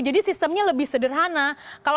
jadi sistemnya lebih sederhana